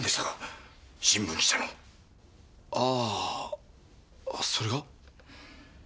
あぁそれが？